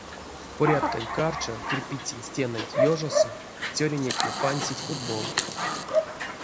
Порядканть каршо кирьпецень стенанть ёжосо цёрынетне пансить футбол.